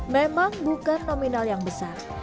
memang bukan nominal yang besar